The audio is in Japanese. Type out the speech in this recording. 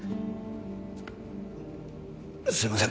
すいません